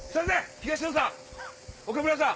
東野さん岡村さん